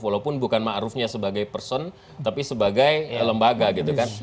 walaupun bukan ma'rufnya sebagai person tapi sebagai lembaga gitu kan